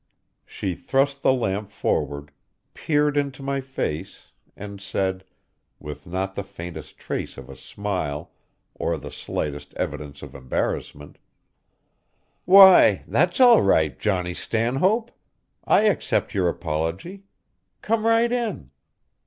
She thrust the lamp forward, peered into my face, and said, with not the faintest trace of a smile or the slightest evidence of embarrassment: "Why, that's all right, Johnny Stanhope. I accept your apology. Come right in."